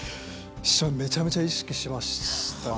めちゃめちゃ意識しましたね。